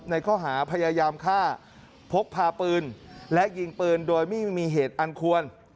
ในข้อหาพยายามฆ่าพกพาปืนและยิงปืนโดยไม่มีเหตุอันควร